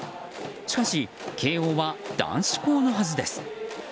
しかし、慶応は男子校のはずです。